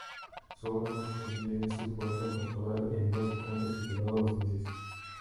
Su obra más conocida es su poema pastoral en doce cantos titulado "Los Meses".